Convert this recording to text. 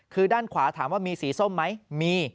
คือด้านขวาถามว่ามีสีส้มไหมมี